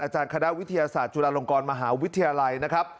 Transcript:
จารคณะวิทยาศาสตร์จุฬาลงกรมหาวิทยาลัยนะครับ